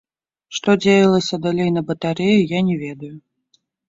Што дзеялася далей на батарэі, я не ведаю.